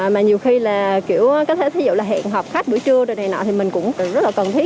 mà nhiều khi là kiểu có thể thí dụ là hẹn học khách buổi trưa rồi này nọ thì mình cũng rất là cần thiết